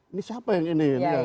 ini siapa yang ini